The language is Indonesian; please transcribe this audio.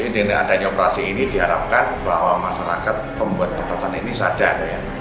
dengan adanya operasi ini diharapkan bahwa masyarakat pembuat petasan ini sadar ya